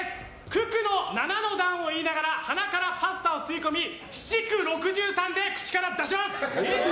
九九の７の段を言いながら鼻からパスタを吸い込み４×９、６３で口から出します。